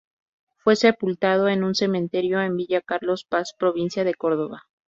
Fue sepultado en un cementerio en Villa Carlos Paz, provincia de Córdoba.